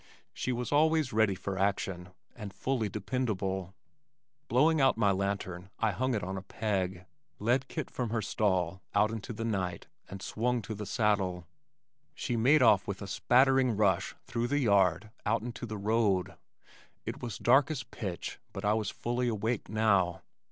She was always ready for action and fully dependable. Blowing out my lantern I hung it on a peg, led Kit from her stall out into the night, and swung to the saddle. She made off with a spattering rush through the yard, out into the road. It was dark as pitch but I was fully awake now.